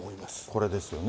これですよね。